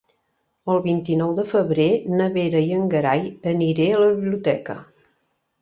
El vint-i-nou de febrer na Vera i en Gerai aniré a la biblioteca.